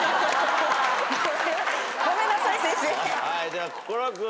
では心君。